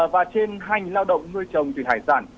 và trên hành lao động nuôi trồng thủy hải sản